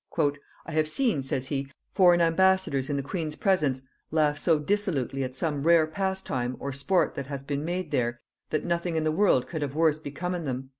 "I have seen," says he, "foreign ambassadors in the queen's presence laugh so dissolutely at some rare pastime or sport that hath been made there, that nothing in the world could have worse becomen them."